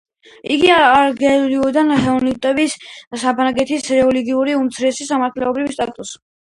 იგი არეგულირებდა ჰუგენოტების, საფრანგეთის რელიგიური უმცირესობის, სამართლებრივ სტატუსს.